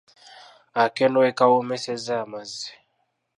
Akendo we kawoomeseza amazzi, ….